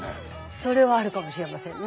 それはあるかもしれませんね。